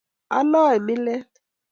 aloe milet